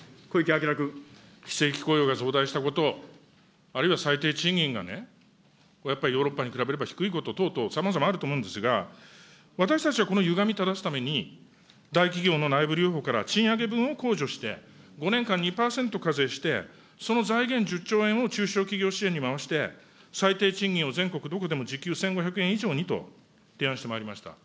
非正規雇用が増大したこと、あるいは最低賃金がね、やっぱりヨーロッパに比べれば低いこと等々さまざまあると思うんですが、私たちはこのゆがみ正すために、大企業の内部留保から、賃上げ分を控除して、５年間２％課税して、その財源１０兆円を中小企業支援に回して、最低賃金を全国どこでも時給１５００円以上にと提案してまいりました。